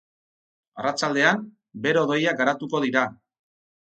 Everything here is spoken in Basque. Arratsaldean, bero-hodeiak garatuko dira.